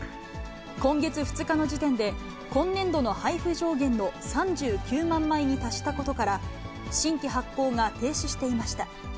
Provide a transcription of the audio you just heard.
今月２日の時点で、今年度の配布上限の３９万枚に達したことから、新規発行が停止していました。